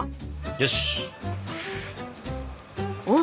よし。